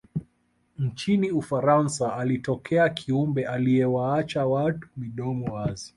nchini ufaransa alitokea kiumbe aliyewaacha watu midomo wazi